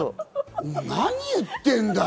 何言ってんだよ！